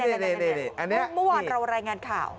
เมื่อวานเรารายงานข่าว